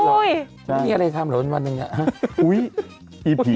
อุ๊ยไม่มีอะไรทำเหรอเป็นวันหนึ่งน่ะฮะอุ๊ยอีผี